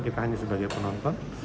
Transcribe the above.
kita hanya sebagai penonton